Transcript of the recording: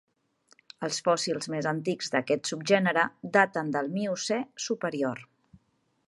Els fòssils més antics d'aquest subgènere daten del Miocè superior.